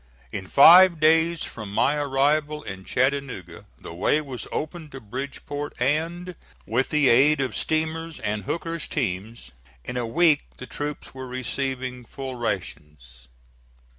In five days from my arrival in Chattanooga the way was open to Bridgeport and, with the aid of steamers and Hooker's teams, in a week the troops were receiving full rations.